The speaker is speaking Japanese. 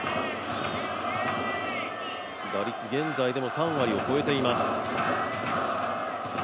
打率、現在でも３割を超えています。